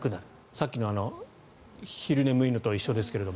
さっきの昼眠いのと一緒ですけれど。